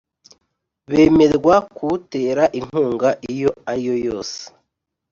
bemerwa kuwutera inkunga iyo ari yo yose